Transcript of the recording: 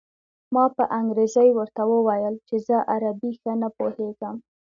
ما په انګرېزۍ ورته وویل چې زه عربي ښه نه پوهېږم.